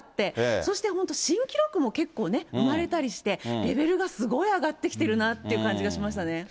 そして本当、新記録も結構ね、生まれたりして、レベルがすごいあがってきてるなってかんじがしましたね。